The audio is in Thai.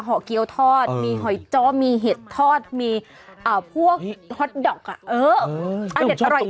เกี้ยวทอดมีหอยจ้อมีเห็ดทอดมีพวกฮอตดอกอเด็ดอร่อย